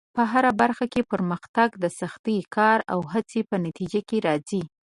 په هره برخه کې پرمختګ د سختې کار او هڅې په نتیجه کې راځي.